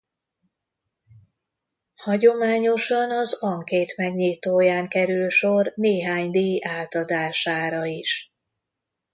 Hagyományosan az ankét megnyitóján kerül sor néhány díj átadására is.